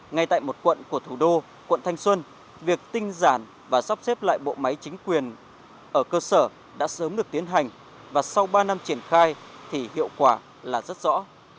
ngay tại một quận của thủ đô quận thanh xuân việc tinh giản và sắp xếp lại bộ máy chính quyền ở cơ sở đã sớm được tiến hành và sau ba năm triển khai thì hiệu quả là rất rõ